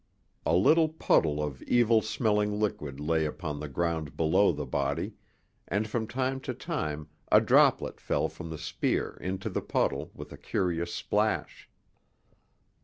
A little puddle of evil smelling liquid lay upon the ground below the body, and from time to time a droplet fell from the spear into the puddle with a curious splash.